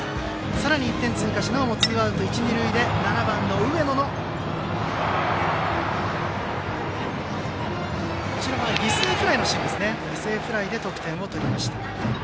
さらに１点を追加し、なおもツーアウト、一、二塁で７番の上野の犠牲フライで得点を取りました。